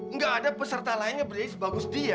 nggak ada peserta lain yang berdiri sebagus dia